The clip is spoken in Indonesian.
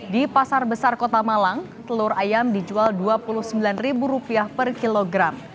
di pasar besar kota malang telur ayam dijual rp dua puluh sembilan per kilogram